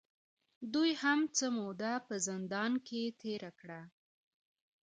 دوې هم څۀ موده پۀ زندان کښې تېره کړه